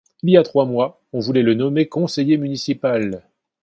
Il y a trois mois, on voulait le nommer conseiller municipal.